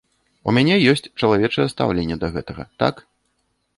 У мяне ёсць чалавечае стаўленне да гэтага, так?